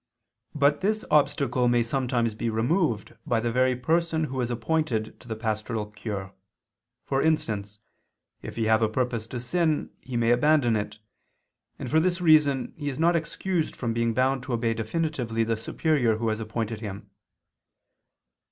But this obstacle may sometimes be removed by the very person who is appointed to the pastoral cure for instance, if he have a purpose to sin, he may abandon it and for this reason he is not excused from being bound to obey definitely the superior who has appointed him.